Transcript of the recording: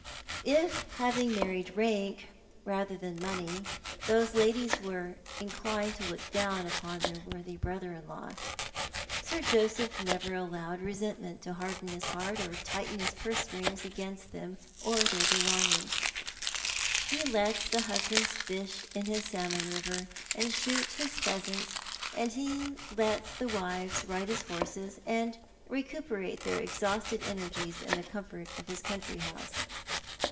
If, having married rank rather than money, those ladies were inclined to look down ujDon their worthy brother in law. Sir Joseph never allowed resentment to harden his heart or tighten his purse strings against them or their belongings. Ho let the husbands fish in his salmon river and shoot his pheasants, and he let the wives ride his horses, and recuperate their exhausted energies in the comfort of his country house.